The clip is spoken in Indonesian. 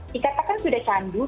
dikatakan sudah candu